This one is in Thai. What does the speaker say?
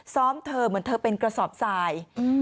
ซ้อมเธอเหมือนเธอเป็นกระสอบทราย